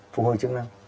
phụ hồi chức năng